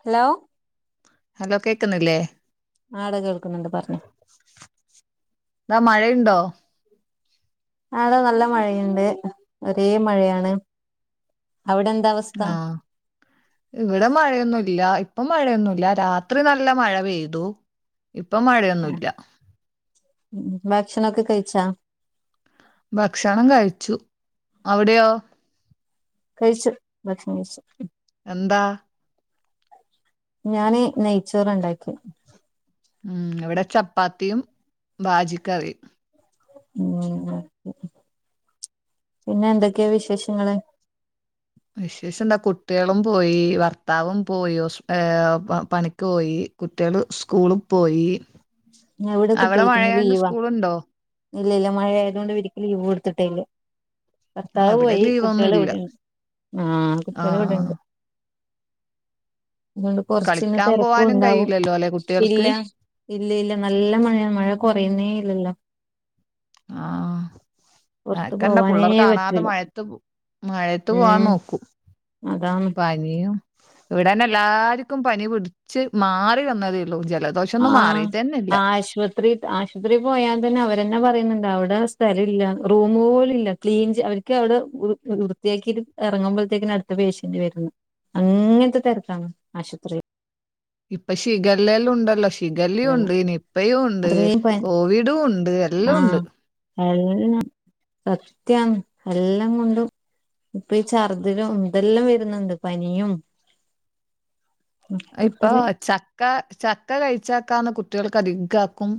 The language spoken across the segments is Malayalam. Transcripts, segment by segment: ഹലോ ഹലോ കേക്കുന്നില്ലേ ആഡാ കേൾക്കുന്നുണ്ട് പറഞ്ഞോ ഉണ്ടോ ആഡാ നല്ല മഴയുണ്ട്.. ഒരേ മഴയാണ്.. അവിടെ എന്താ അവസ്ഥ ആ ഇവിടെ മഴയൊന്നുല്ല.. ഇപ് ഇപ്പോ മഴയൊന്നുമില്ല.. രാത്രി നല്ല മഴ പെയ്തു.. ഇപ്പൊ മഴയൊന്നുല്ല ഉം ഭക്ഷണം ഒക്കെ കഴിച്ച.. ഭക്ഷണം കഴിച്ചു.. അവിടെയോ കഴിച്ചു.. ഭക്ഷണം കഴിച്ചു.. എന്താ. ഞാന് നെയ്ച്ചോറ് ഇണ്ടാക്കി ഉം.. ഇവിടെ ചപ്പാത്തിയും ബാജിക്കറിയും ഉം.. പിന്നെ എന്തെക്കെയാ വിശേഷങ്ങള്.. വിശേഷം എന്താ കുട്ടികളും പോയി ഭർത്താവും പോയി ഒസ് ഏ പണിക്ക് പോയി കുട്ടികള് സ്കൂളിൽ പോയി ഇവിടെ അവിടെ കുട്ടികൾക്കിന്ന് മഴയായോണ്ട് ലീവാ സ്കൂളുണ്ടോ ഇല്ല ഇല്ല മഴ ആയതുകൊണ്ട് [unintelligible] ക്ക് ലീവ് കൊടുത്തിട്ടേല്ല ആഹ് ഭർത്താവ് ഇവിടെ പോയി ലീവൊന്നും കുട്ടികള് ഇല്ല ഇവിടെണ്ട് ആ കുട്ടികൾ ആഹ് ഇവിടെണ്ട് അതുകൊണ്ട് കൊറച്ചിന്ന് കളിക്കാൻ തെ രക്കും പോവാനും ഉണ്ടാവും കഴിയില്ലല്ലോ അല്ലെ ഇല്ല കുട്ടികൾക്ക് ഇല്ല ഇല്ല നല്ല മഴ മഴ കുറയുന്നേ ഇല്ലല്ലോ. ആ പുറത്ത് ആക്കണ്ടാ പോവാനേ പിള്ളേർ കാണാതെ പറ്റൂല മഴത്ത്.. മഴത്ത് പോവാൻ ഉം നോക്കൂ അതാണ് പനി. ഇവിടെന്നെ എല്ലാർക്കും പനി പിടിച്ച് മാറി വന്നതേയു. ആ ആശുപത്രി ആശുപത്രി പോയാൽ തന്നെ അവരെന്നെ പറയുന്നുണ്ട്. അവിടെ സ്ഥലംല്ലറൂമ്മ്പോലല്ല ക്ലീൻ അവർക്ക്വിടെ വൃത്തിയാക്കിട്ട് ഇറങ്ങുമ്പ. ത്തേ ക്അടുത്ത പേഷ്യന്റ് വരുന്നു അങ്ങനത്തെ തരകാണ് ആശുപത്രി. ഇപ്പ ഷിഗല്ലല്ലാം ഉണ്ടല്ലോ. ഷിഗലിയുണ്ട് നിപ്പയയും ഉണ്ട് അത്രയും പ കോവിഡും ഉണ്ട് എല്ലാം ഉണ്ട്. ആഹ് എല്ലാം സത്യാണ് എല്ലാം കൊണ്ടും. ഇപ്പൊ ഈ ചഛർുദലും ഇതെല്ലാം വരുന്നുണ്ട് പനിയും. ഇപ്പൊ മൊത്തത്തില് ചക്ക ചക്ക കഴി. ച്ചാക്കാവുന്ന കുട്ടികൾക്ക് അധകാക്കും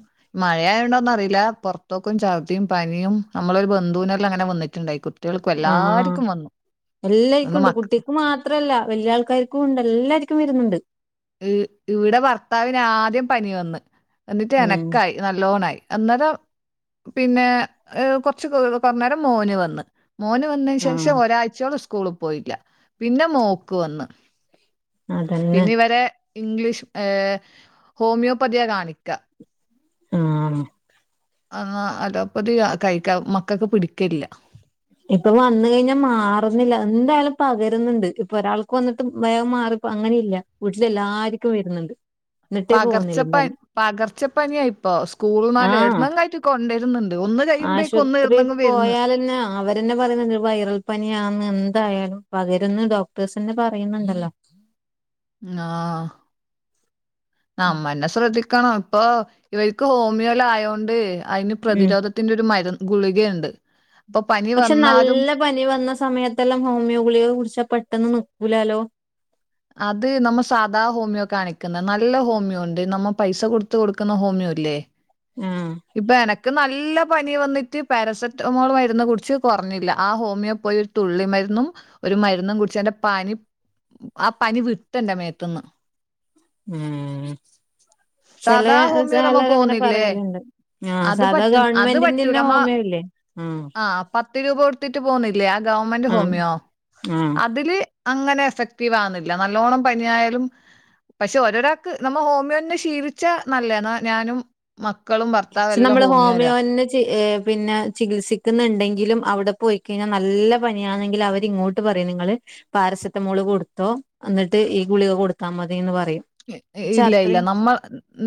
മഴയായുണ്ടോന്നറിയില്ല പുറത്തോക്കും ചർദ്ദിയും പനിയും. നമ്മളൊരു ബന്ധുവിനോരിൽ അങ്ങനെ വന്നിട്ടുണ്ടായി കുട്ടികൾക്ക എല്ലാർക്കും വന്നു. എല്ലർക്കും അതുകൊണ്ട് ഉണ്ട് മക്ക കുട്ടിക്ക് മാത്രല്ല വല്യ ആൾക്കാർക്കും ഉണ്ട് എല്ലാർരിക്കും വരുന്നുണ്ട്. ഇവിടെ ഭർത്താവിന് ആദ്യം പനി വന്ന് എന്നിട്ട് ഉം എനക്കായി നല്ലോണായി. അന്നേരം പിന്നെ കൊറച്ച് കുറ നേേരം മോന് വന്ന്. മോന് വന്നതിന് ആഹ് ശേഷം ഒരാഴ്ചയോള സ്കൂളിൽ പോയില്ല പിന്നെ മോക്ക് വന്ന്. അതന്നെ പിന്നെ ഇവരെ ഇംഗ്ലീഷ് ഏ ഹോമിയോപതിയ കാണിക്ക. ആ എന്നാ അതപ്പത് കഴിക്ക മക്കൾക്ക് പിടിക്കില്ല. ഇപ്പൊ വന്ന കഴിഞ്ഞാൽ മാറുന്നില്ല എന്തായാലും പകരുന്നുണ്ട് ഇപ്പൊ ഒരാൾക്ക് വന്നിട്ട് വേഗം മാറി. അപ്പ അങ്ങനെ ഇല്ല വീട്ടില എല്ലാർക്കും വരുന്നുണ്ട്. എന്നിട്ടേ പോകുന്നില്ല പകർച്ചപ്പ പനി. പകർച്ചപ്പനിയ ഇപ്പോ സ്കൂൾ ആഹ് നാല്എടുന്നായിട്ട് കൊണ്ടുവരുന്നുണ്ട് ഒന്ന്. കഴിയുമ്പോഴേക്കും ഒന്ന് ആശുപത്രി എവിടുന്നെങ്കിലും വരുന്ന് പോയൽന്നെ അവരന്നെ. പറയ വൈറൽ പനാന്ന് എന്തായാലും പകരന്ന് ഡോക്ടേഴ്സിന്റെ പറയുന്നുണ്ടല്ലോ. ആ ന അമ്മന്നെ ശ്രദ്ധിക്ക.. ണോ ഇപ്പൊ ഇവർക്ക് ഹോമിയോല ആയോണ്ട് അതിന് ഉം പ്രതിരോധത്തിന്റെ ഒരു മരുന്നുന്ന്. ഗുളികുണ്ട് പക്ഷെ നല്ല പനി വന്ന സമയത്തെല്ലാം ഹോമിയോ ഗുളിയെ കുറിച്ച പെട്ടെന്ന് നക്കൂലാലോ. അത് നമ്മ സാധാ ഹോമിയോ.. കാണിക്കുന്നത് നല്ല ഹോമിയോ ഉണ്ട് നമ്മ പൈസ കൊടുത്ത കൊടുക്കുന്ന ഹോമിയോ ഇല്ലേ. ഉം ഒക്കെ നല്ല പനി വന്നിട്ട് പാരസെറ്റമോൾ മരുന്ന് കുടിച്ച് കുറഞ്ഞില്ല ആ ഹോമിയോപ്പതി തുള്ളി മരുന്നും.. ഒരു മരുന്നും കുടിച്ച്ന്റെ പാനി. ആ പനി വിട്ടണ്ട മേത്തുന്ന്.. ഉം സാധാ ഹോമിയോ നമ്മ ചെിലല്ലരും അങ്ങനെ പോവുന്നില്ലേ? പറയലുണ്ട് ആ അത് സാധാ പറ്റും അത് പറ്റൂല. ഗവൺമെന്റിന്റെന്നെ നമ്മ ഹോമിയോ ഇല്ലേ. ആഹ് ആ പത്ത് പത്ത് രൂപ കൊടുത്തിട്ട് പോകുന്നില്ലേ ആ ഗവൺമെന്റ് ആഹ് ഹോമിയോ ആഹ് അതില് അങ്ങനെ എഫക്ട്.. വകുന്നില്ല നല്ലോണം പനിയായാലും.. പക്ഷെ ഓരോരാൾക്ക് നമ്മ ഹോമിയോെ ശീലിച്ചാ നല്ല എന്ന ഞാനും.. മക്കളും ഭർത്താവും പക്ഷെ എല്ലാം നമ്മള് ഹോമിയോരാ. ഹോമിയോന് പിന്നെ ചികിത്സിക്കുന്നുണ്ടെങ്കിലും. അവിടെ പോയിക്കഴിഞ്ഞാൽ നല്ല പനാണെങ്കിൽ അവരിങ്ങോട്ട് പറയും നിങ്ങള് പാരസെറ്റമോള് കൊടുത്തോ. എന്നിട്ട് ഈ ഗുളിക കൊടുത്താ മതി എന്ന് പറ.. ഇല്ല ഇല്ല നമ്മൾ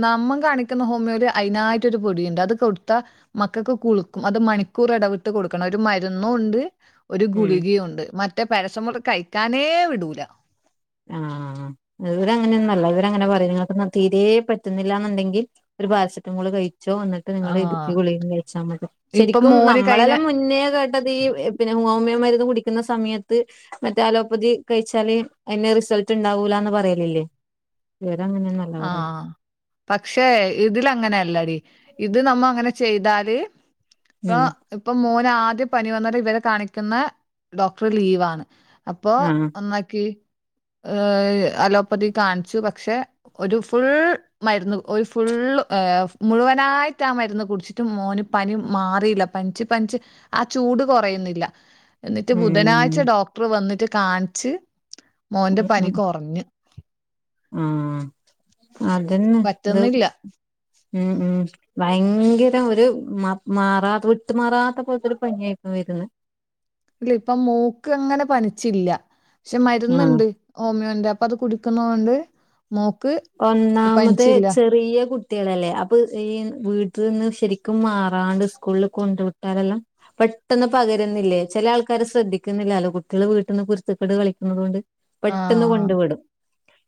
നമ്മൾ കാണിക്കുന്ന ഹോമിയോൽ അതിനതിനായിട്ട്. മറ്റൊരു പൊടി ഉണ്ട് അത് കൊടുത്ത മക്കൾക്ക് കുളക്കും അത് മണിക്കൂർ ഇടവിട്ട് കൊടുക്കണം ഒരു മരുന്നും ഉണ്ട്. ഒരു ഉം ഗുളികയുണ്ട് മറ്റേ പരസമുള കഴിക്കാനേ വിടൂല.. ആഹ ഇവരങ്ങനൊന്നല്ലാ ഇവരങ്ങനാപറയ്നങ്ങാട്ടി തീരെപറ്റ്ന്നില്ലാന്ന്ണ്ടെങ്കി ഒരു പാരസെറ്റമോൾ കഴിക്കാ.. ച്ചോ വന്നിട്ട് നിങ്ങൾ ഈ.. ആഹ് ഗുളിക കഴിച്ചാ.. മതി ശരിക്കും ഇപ്പൊ ശരിക്കും മോന് കഴിഞ്ഞ നമ്മളെല്ലാംമുന്നേ കേട്ടത് ഈ പി ഈ ഹോമിയോ മരുന്ന് കുടിക്കുന്ന സമയത്ത് മറ്റേ അലോപ്പതി കഴിച്ചാല് അയ്ന് റിസൾട്ട്ണ്ടാവൂലാന്ന് പറയലില്ലേ ഇവരങ്ങനെയൊന്നല്ല ആ... പറയ പക്ഷെ ഇതിലങ്ങനെല്ലടി ഇത് നമ്മങ്ങ ചെയ്താല് ഇപ്പൊ ഉം ഇപ്പൊ മോന് ന് ആദ്യം പനി വന്ന്ട്ട് ഇവനെ കാണിക്കുന്ന ഡോക്ടർ ലീവാണ് അപ്പൊ ആഹ് ഒന്നാക്കി ഏ.. അലോപ്പതി കാണിച്ചു പക്ഷെ ഒരു ഫുൾ മരുന്ന് ഒരു ഫുൾ എ മുഴുവനായിട്ട് അ മരുന്ന് കുടിച്ചിട്ടും മോന് പനി മാറിയില പനിച്ച് പനിച്ച് ആ ചൂട് കുറയുന്നില്ല. എന്നിട്ട് ഉം ബുധനാഴ്ച ഡോക്ടറ് വന്നിട്ട് കാണിച്ച് മോന്റെ പനി കൊറഞ് ആ... അതന്നെ ഇത് പറ്റുന്നില്ല ഉം ഉം ഭയങ്കര ഒരു മത് മാറാതെ വിട്ട്മാറാത്ത പോലത്തൊരു പനിയായിരുന്നു വരുന്നേ... ഇല്ല ഇപ്പൊ മോക്കങ്ങനെ പനിച്ചില്ല്യ പക്ഷെ ആഹ് മരുന്ന്ണ്ട് ഹോമിയോന്റെ അപ്പത് കുടിക്കുന്നൊണ്ട് ഒന്നാമത് ചെറിയ കുട്ട്യാളല്ലെ അപ്പൊ ഈ വീട്ടിൽന്ന് ശരിക്കും മാറാണ്ട് സ്കൂളിൽ കൊണ്ട് വിട്ടാലെല്ലാം.. പെട്ടെന്ന് പകരുന്നില്ലേ ചില ആൾക്കാര് ശ്രദ്ധിക്കുന്നില്ലാലൊ കുട്ട്യാള് വീട്ട്ന്ന് കുരുത്തക്കേട് കളിക്കണതോണ്ട് പെട്ടെന്ന് ആഹ് കൊണ്ട് വിടും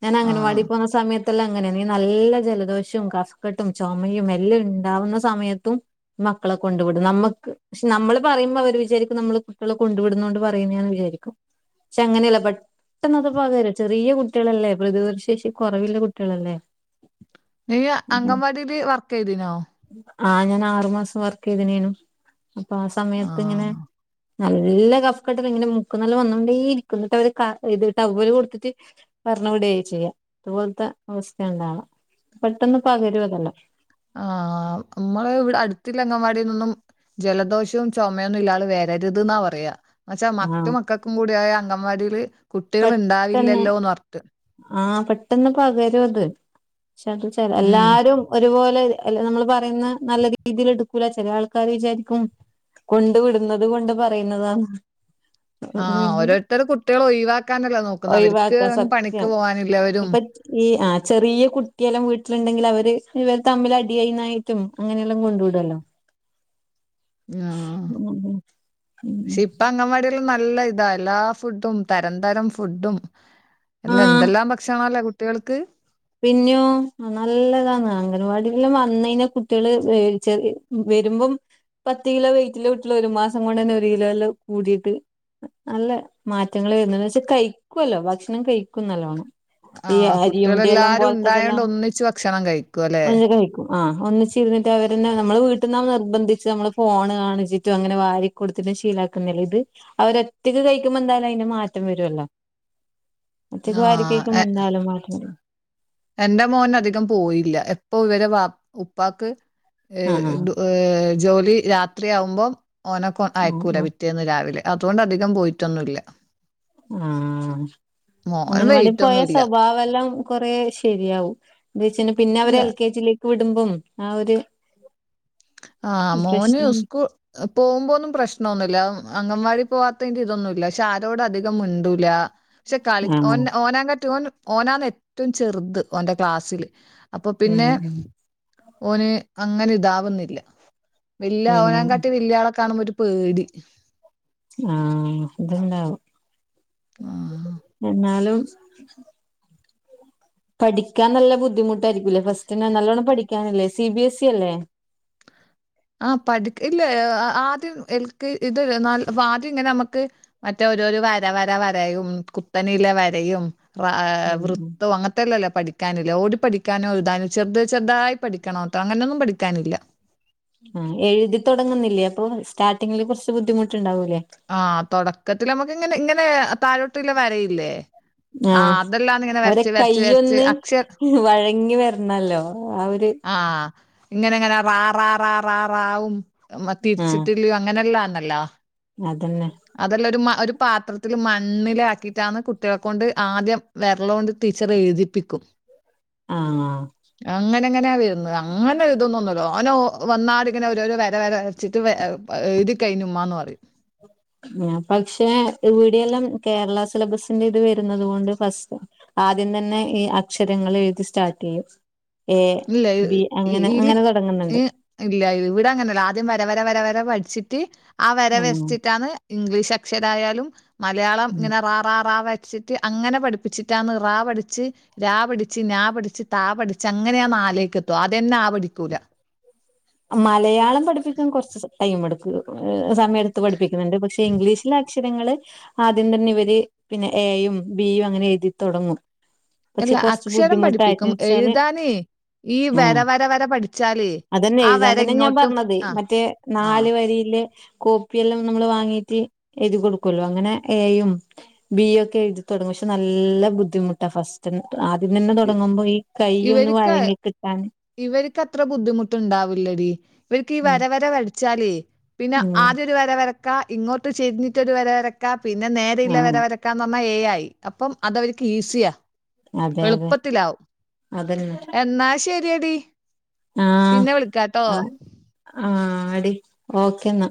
ഞാൻ ആഹ്. അംഗനവാടിപോണ സമയത്തെല്ലാം അങ്ങനാണെ നല്ല ജലദോഷം, കഫക്കട്ടും, ചൊമയും എല്ലാം ണ്ടാവുന്ന സമയത്തും മക്കളെ കൊണ്ട് വിടും പക്ഷെ നമ്മള് പറയുമ്പോ അവര് വിചാരിക്കും കുട്ട്യാളെ കൊണ്ട് വിട്ന്നൊണ്ട് പറയന്നാന്ന് വിചാരിക്കും പക്ഷെ അങ്ങനെയല്ല പെട്ടെന്നത് പകരും ചെറിയ കുട്ട്യാളല്ലേ... പ്രതിരോധ ശേഷി കുറവില്ല കുട്ടികളല്ലെ നീ അങ്കൻവാടിട് വർക്കെയ്തീന്നൊ? അ ഞാൻ ആറു മാസം വർക്കെയ്തിനീനു അപ്പാസമയത്തിങ്ങനെ ആഹ്. നല്ല കഫ്കെട്ട് ഇങ്ങനെ മുക്കനല്ലോം വന്നോണ്ടേഇരിക്ക്‌ന്ന് ന്ന്ട്ടവര് ക ദ് ടവ്വല് കൊട്ത്ട്ട് പറഞ്ഞു വിടേയ്യും ചെയ്യാ... ഇതുപോൽതെ അവസ്ഥയണ്ടാവാ പെട്ടന്ന് പകരുംഅതെല്ലാം.... ആ... മ്മള് വിടെ അടുത്തിള്ള അംഗൻവാടിന്നൊന്നും ജലദോഷോം ചൊമയൊന്നില്ലാതെ വരരുത് ന്നാ... പറയാ ന്നച്ചാ.. ആഹ് മറ്റു മക്കൾക്കുംകൂഡ്യായാ.. വാഡീല് കുട്ടികളുണ്ടാവില്ലല്ലോന്നർത്ഥം. ആ... പെട്ടെന്ന് പകരുവത് ചെ ചെ ഉം. എല്ലാരും ഒരുപോലെ അല്ല നമ്മള് പറയുന്ന നല്ല രീതില് എടുക്കൂല ചെല ആൾക്കാാര് വിചാരിക്കും കൊണ്ട് വിടുന്നത് കൊണ്ട് പറയുന്നതാന്ന് ആ... പിന്നെ ഓരോരുത്തർ കുട്ട്യാളെ ഒഴിവാ... ക്കാനല്ലെ നോക്കുന്ന അവർക്ക് ഒഴിവാക്കാം പണിക്ക് സത്യം പോവാനില്ലവരും ഇപ്പൊ ഈ ആ.. ചെറിയ കുട്ടിയെല്ലാം വീട്ടില്ണ്ടെങ്കി അവര് ഇവർ തമ്മിലഡിയായിന്നാക്കും അങ്ങനെല്ലാം കൊണ്ട് വിടൊല്ലോ... ആ... ഉം ക്ഷെ ഉം ഇപ്പ അംഗൻവാടിയെ ല്ലതാ... എല്ലാ ഫുഡും തരം തരം ഫുഡുംഎല്ല എന്തെല്ലാം ഭക്ഷണാല്ലെ കുട്ടികൾക്ക്‌ പിന്യോ.... നല്ലതാന്ന് അംഗൻവാടില് വന്നയ്ഞാ കുട്ട്യാള് വെൽ ചെ വരുമ്പം പത്ത് കിലോ വെയ്റ്റ്ള്ള കുട്ട്യാള് ഒരുമാസം കൊണ്ട് ഒരു കിലോയ്ല് കൂടീട്ട് നല്ല മാറ്റങ്ങള് വരുന്നണ്ട് ക്ഷെ കഴിക്കല്ലോ.... ഭക്ഷണം കഴിക്കും നല്ലോണം ആ.... കുട്ട്യാല് ടിയെല്ലാം പോലത്തതെല്ലാം കഴിക്കും അല്ലെ കഴിക്കും അ ഒന്നിച്ചിര്ന്ന്ട്ട് അവരെന്നെ നമ്മള് വീ ട്ട്ന്നവ് നിർബന്ധിച്ച് നമ്മള് ഫോൺ കാണിച്ചിട്ടും അങ്ങനെ വാരി കൊടുത്തിട്ടും ശീലക്കുന്നില്ലെ ഇത് അവരൊറ്റ കഴിക്കുമ്പെന്തായും അതിന്റെ മാറ്റം വരല്ലോ ഒറ്റക്ക് ആഹ് എ വാരികഴിക്കുമ്പോന്തായാലും മാറ്റം വരും. എന്റെ മോൻ അധികം പോയില്ല എപ്പൊ ഇവരെ ഉപ്പാക്ക് എ.. ആ ആ ജോലി രാത്രിയാവുമ്പോ ഓനപ്പോ ആ അയക്കൂല പിറ്റേന്ന് രാലെ. അതൊണ്ട് അധികം പോയിട്ടൊന്നുല്ല. ആ. മോൻ അംഗന വാടി വെയിറ്റ് പോയ ഒന്നുല്ല സ്വഭാവെല്ലാം കൊറെ ശെ ശരിയാവും ന്തവെചാൽ പിന്നെ അവരെ ഇല്ല എൽ കെ ജിലേക്ക് വിടുമ്പം ആ ഒരു ആ മോന് പ്രശ്നം സ്കൂ പോകുമ്പൊന്നും പ്രശ്നമൊന്നുല്ല. അംഗൻവാടി പോവാത്തതിന്റെ ഇതൊന്നുമില്ല പക്ഷെ ആരോടും അധികം മിണ്ടൂല. പക്ഷെ കളി ഓ ആഹ് ഓനകി ഓ ഓനാന്ന് ഏറ്റവും ചെറുത് ഓന്റെ ക്ലാസ്സില്, അപ്പൊ പിന്നെ ഉം ഓന് അങ്ങനെ ഇതാവുന്നില്ല. വല്യ ഉം ഉം ഓനകാട്ടി വല്യയാളെ കാണുമ്പോ ഒരു പേടി. ആ ഇത്ണ്ടാവും. ആഹ്. എന്നാലും പഠിക്കാൻ നല്ല ബുദ്ധിമുട്ടായിരിക്കൂല്ലേ, ഫസ്റ്റ് നല്ലോണ്ണം പഠിക്കാനില്ലേ, സി ബി എസ് ഇ അല്ലേ? ആ പഠിക്ക് ഇല്ല. ആ ത്ദ്യം ൽ കെ ആദ്യം ഇങ്ങനെ നമുക്ക് മറ്റേ ഓരോ വര, വര, വരയുംകുത്തൊക്കെ വരയും ഉം ഉം വൃത്തവും അങ്ങനത്തെല്ലല്ലേ പഠിക്കാന ട് പഠിക്കാനോ എഴുതാനോ ചെറുത് ചെറുതായി പഠിക്കണോട്ടോ, അങ്ങനൊന്നും പഠിക്കാനില്ല. ആ എഴുതി തുടങ്ങുന്നില്ലേ അപ്പൊ, സ്റ്റാർട്ടിങ്ങില് കുറച്ച് ബുദ്ധിമുട്ടുണ്ടാവോ ആ തൊടക്കത്തില് നമ്മുക്ക് ങ്ങനെ, ങ്ങനെ താഴോട്ടല്ല വരയില്ലേ? ആ അതെല്ലാം ഇങ്ങനെ അവരെ വരച്ച് വരച്ച് വരച്ച് കയ്യൊന്ന് അക്ഷര വഴങ്ങി വരണല്ലോ ആ ഒരു ആ ഇങ്ങനെങ്ങനെ റാറാ റാറാറാവും തിരിച്ചിട്ടില്ല അങ്ങനെല്ലാന്നല്ലോ? അതെന്നെ. അതെല്ലാം ഒരു മ ഒരു പാത്രത്തിൽ മണ്ണിലാക്കിയിട്ടാണ് കുട്ടിയാളെ കൊണ്ട് ആദ്യം വെർളോണ്ട്‌ ടീച്ചർ എഴുതിപ്പിക്കും. ആ ങ്ങനാ വരുന്നത് അങ്ങനെ എ ഴുതൊന്നുംണ്ടാവൂല്ല ഓനോ വന്നാങ്ങനെ രോ വര, വര വരച്ചി ഇത് കഴിഞ്ഞു മ്മാന്ന് പറയും. പക്ഷെ ഇവിടെയെല്ലാം കേരള സിലബസിന്റെ ഇത് വരുന്നുന്നത് കൊണ്ട് ഫസ്റ്റ് ആദ്യം തന്നെ ഈ അക്ഷരങ്ങൾ എഴുതി സ്റ്റാർട്ട് ചെയ്യും. എ ഇല്ല, ബി ഇല്ല, അങ്ങനെ ഈല് അങ്ങനെ തുടങ്ങുന്നുണ്ട് ഇല്ല ഇവിട ങ്ങനെല്ല ആദ്യം വരവര വരവര വ പഠിച്ചിട്ട് ആ വര ഉം വരച്ചിട്ടാണ് ഇംഗ്ലീഷ് അക്ഷരായാലും മലയാളം ഉം ങ്ങനെ റാറാറാ വരച്ചിട്ട് അങ്ങനെ പഠിപ്പിച്ചിട്ട് ണ് റാ പഠിച്ച്, രാപഠിച്ച്, ഞാ പഠിച്ചച്ച്, താ പഠിച്ചാങ്ങനെ അങ്ങനെയാ അ ലേക്ക് എത്ത അദ്യ ന്നെ ആ പടിക്കൂല. മലയാളം പഠിപ്പിക്കാൻ കൊറച്ച് ടൈം എടുക്കും സമയത്ത് പഠിപ്പിക്കുന്നുണ്ട് പക്ഷെ, ഇംഗ്ലീഷിന്റെ അക്ഷ ക്ഷരങ്ങള് ആദ്യം തന്നെ ഇവര് പിന്നെ ഏ യും, ബിയും അങ്ങനെ എഴുതിത്തടങ്ങും. അല്ല, അക്ഷരം പഠിപ്പിക്കും വെച്ചാല് എഴുതാനേ ഈ വര, ആഹ് വര, വര പഠിച്ചാലേ അതന്നെ ആ എഴുതാൻ വര തന്നെ ഞാൻ ഇങ്ങോട്ടും പറഞ്ഞത് ആ മറ്റേ ആ നാല് വരില് ല് കോപ്പിയെല്ലാം നമ്മൾ വാങ്ങീട്ട് എഴ കൊടുക്കല്ലോ? അങ്ങനെ എ, ബിക്കെ തുടങ്ങും പക്ഷെ നല്ല ബുദ്ധിമുട്ടാ ഫസ്റ്റ് ആദ്യം തന്നെ ഇ- തുടങ്ങുമ്പോ ഈ കൈ ഒന്ന് വഴങ്ങി കിട്ടാൻ ക്ക് അത്ര ബുദ്ധിമുട്ടുണ്ടാവില്ലടി. ഇവർക്ക് ഈ ഉം വര, വര വരച്ചാലേ പിന്നെ ഉം ആദ്യരു വര വരക്ക, ഇങ്ങോട്ട് ചരിഞ്ഞിട്ടൊരു വര വരക്കാ, പിന്നെ നേരെള്ള വര ആഹ് വരക്കാ ഏ ആയി. അപ്പം അത വർക്ക് ഈസിയാ അതെ അതെ എളുപ്പത്തിലാവും. അതന്നെ എന്നാ ശരി ടി ആഹ് പിന്നെ വിളിക്കാട്ടോ? ആഹ് ആടി ഓക്കേ എന്നാ.